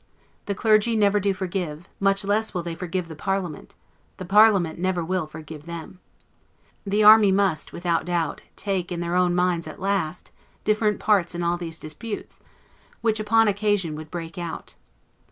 The clergy never do forgive; much less will they forgive the parliament; the parliament never will forgive them. The army must, without doubt, take, in their own minds at last, different parts in all these disputes, which upon occasion would break out.